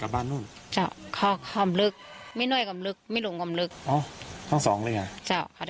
ก็ต่างฝ่ายต่างไปแจ้งความค่ะสุดท้ายต่างฝ่ายต่างไปแจ้งความค่ะ